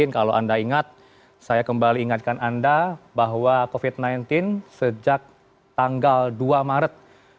kalau anda ingat saya kembali ingatkan anda bahwa covid sembilan belas sejak tanggal dua maret dua ribu dua puluh